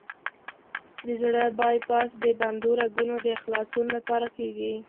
د زړه بای پاس د بندو رګونو د خلاصون لپاره کېږي.